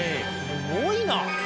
すごいな！